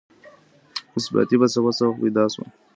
اثباتي فلسفه څه وخت پيدا سوه؟